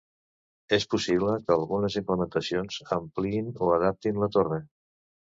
És possible que algunes implementacions ampliïn o adaptin la torre.